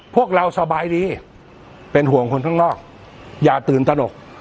พวกเราสบายดีเป็นห่วงคนข้างนอกอย่าตื่นตนก